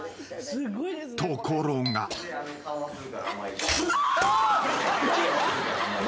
［ところが］何！？